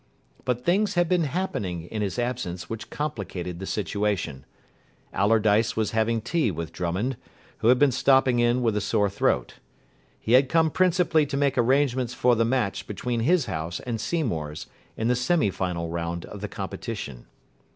But things had been happening in his absence which complicated the situation. Allardyce was having tea with Drummond, who had been stopping in with a sore throat. He had come principally to make arrangements for the match between his house and Seymour's in the semi final round of the competition.